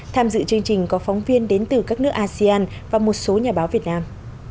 tham dự chương trình có phóng viên đến từ các nước asean và một số nhà báo việt nam